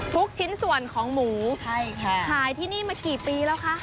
ชิ้นส่วนของหมูใช่ค่ะขายที่นี่มากี่ปีแล้วคะ